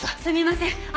すみません。